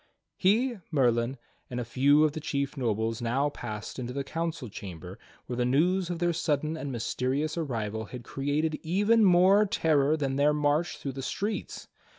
He, Merlin, and a few of the chief nobles now passed into the council chamber where the news of their sudden and mysterious arrival had created even more terror than their march through the streets.